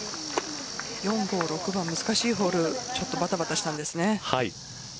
４、５、６番難しいホールちょっとばたばたしたんですね。